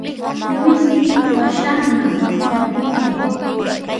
Luismi wasinman yaykurqun.